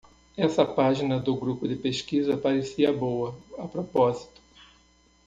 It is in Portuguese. Essa página do grupo de pesquisa parecia boa, a propósito.